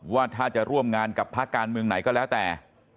ว่าถ้าจะร่วมงานกับภาคการเมืองไหนก็แล้วแต่